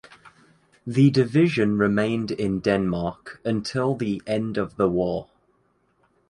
The division remained in Denmark until the end of the war.